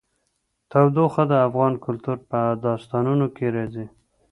تودوخه د افغان کلتور په داستانونو کې راځي.